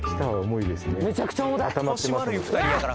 めちゃくちゃ重たいうわ！